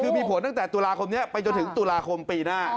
คือมีผลตั้งแต่ตุลาคมนี้ไปจนถึงตุลาคมปีหน้า